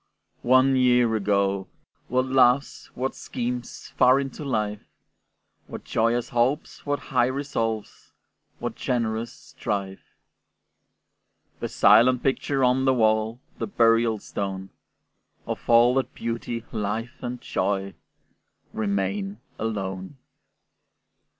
One year ago, what loves, what schemes Far into life! What joyous hopes, what high resolves, What generous strife! The silent picture on the wall, The burial stone, Of all that beauty, life, and joy Remain alone!